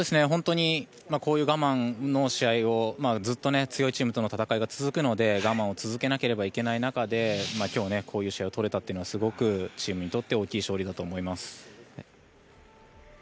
本当にこういう我慢の試合をずっと強いチームとの戦いが続くので我慢を続けなければいけない中で今日こういう試合を取れたというのはすごくチームにとって大きい勝利だと思います。